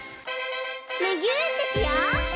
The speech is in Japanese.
むぎゅーってしよう！